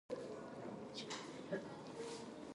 愛してるといった。